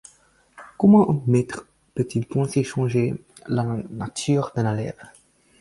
Comment un maître peut-il penser changer la nature d'un élève ?